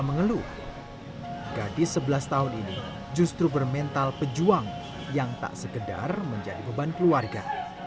mengeluh gadis sebelas tahun ini justru bermental pejuang yang tak sekedar menjadi beban keluarga